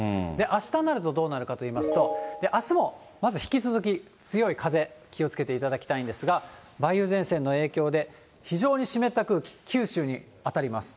あしたになるとどうなるかといいますと、あすもまず引き続き強い風、気をつけていただきたいんですが、梅雨前線の影響で、非常に湿った空気、九州に当たります。